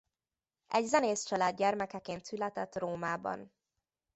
Egy zenész család gyermekeként született Rómában.